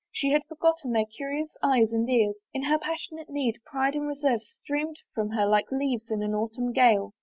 She had forgotten their curious eyes and ears ; in her passionate need pride and reserve streamed from her like leaves in an autumn gale.